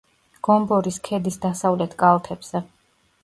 გომბორის ქედის დასავლეთ კალთებზე.